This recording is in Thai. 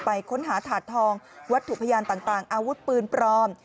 ค้นหาถาดทองวัตถุพยานต่างอาวุธปืนปลอม